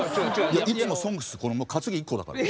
いつも「ＳＯＮＧＳ」担ぎ１個だから。